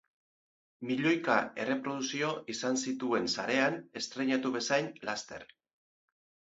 Milioika erreprodukzio izan zituen sarean estreinatu bezain laster.